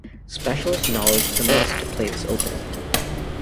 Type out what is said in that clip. Specialist knowledge is a must to play this opening.